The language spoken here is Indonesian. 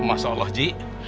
masya allah ji